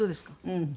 うん。